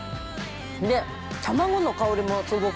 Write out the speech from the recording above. で、卵の香りもすごく。